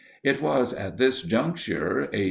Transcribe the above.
It was at this juncture (A.